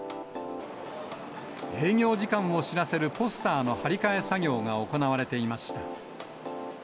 営業時間を知らせるポスターの貼り替え作業が行われていました。